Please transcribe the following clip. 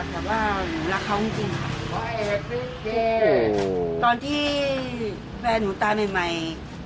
แต่ว่าหนูรักเขาจริงจริงค่ะโอ้โหตอนที่แฟนหนูตายใหม่ใหม่